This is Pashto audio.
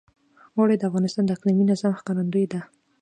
اوړي د افغانستان د اقلیمي نظام ښکارندوی ده.